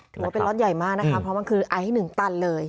หรือว่าเป็นรถใหญ่มากนะครับเพราะมันคือไอซ์ให้หนึ่งตันเลย